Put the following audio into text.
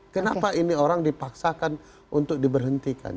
kenapa ini orang dipaksakan untuk diberhentikan